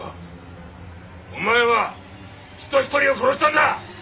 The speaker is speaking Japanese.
お前は人ひとりを殺したんだ！